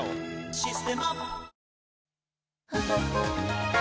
「システマ」